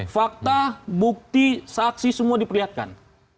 fakta bukti saksi semua diperlihatkan